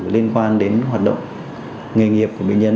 liên quan đến hoạt động nghề nghiệp của bệnh nhân